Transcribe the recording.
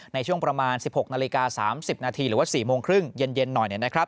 ในช่วงประมาณ๑๖นาฬิกา๓๐นาทีหรือว่า๔โมงครึ่งเย็นหน่อยนะครับ